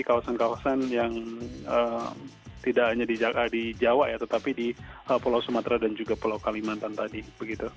kawasan kawasan yang tidak hanya di jawa ya tetapi di pulau sumatera dan juga pulau kalimantan tadi begitu